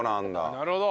なるほど！